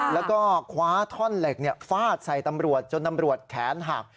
แล้วก็คว้าท่อนเหล็กฟาดใส่ตำรวจจนตำรวจแขนหัก